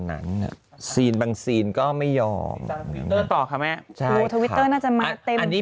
ไปเบ๊กก่อนไว้แม่ให้เบ๊กก่อนนะเอาเบ็กก่อนเลย